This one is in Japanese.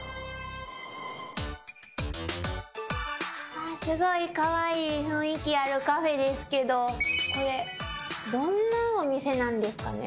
あぁすごいかわいい雰囲気あるカフェですけどこれどんなお店なんですかね？